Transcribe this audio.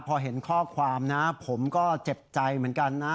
พอเห็นข้อความนะผมก็เจ็บใจเหมือนกันนะ